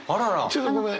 ちょっとごめん。